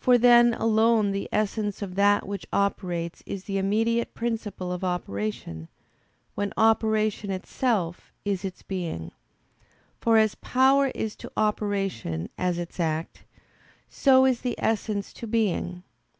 For then alone the essence of that which operates is the immediate principle of operation, when operation itself is its being: for as power is to operation as its act, so is the essence to being.